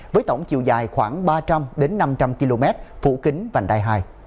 với tổng chiều dài khoảng ba trăm linh năm trăm linh km phủ kính vành đai hai